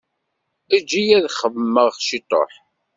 Eǧǧ-iyi ad xemmemeɣ ciṭuḥ.